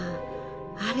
あれ。